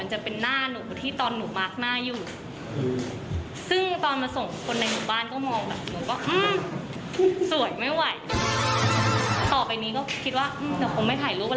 หลังจากนี้แปลงไปแล้วน๒๐๒๕ของคะแคมเป็นจนวัดครั้งเทียบ